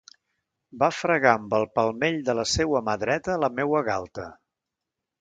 Va fregar amb el palmell de la seua mà dreta la meua galta.